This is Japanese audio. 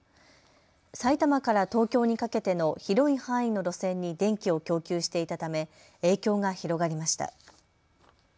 埼玉から東京にかけての広い範囲の路線に電気を供給していたため影響が広がりました。